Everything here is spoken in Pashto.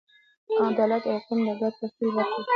عدالت او حقونه د ګډ تخیل برخه ده.